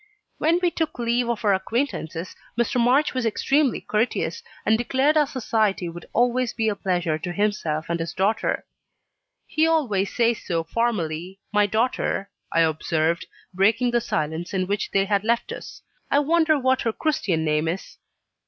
When we took leave of our acquaintances Mr. March was extremely courteous, and declared our society would always be a pleasure to himself and his daughter. "He always says so formally, 'my daughter,'" I observed, breaking the silence in which they had left us. "I wonder what her Christian name is."